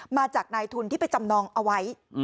มาจากนายทุนที่ไปจำนองเอาไว้